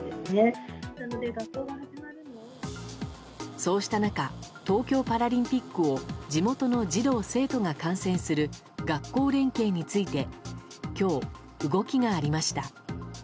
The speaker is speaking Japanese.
そうした中東京パラリンピックを地元の児童・生徒が観戦する学校連携について今日、動きがありました。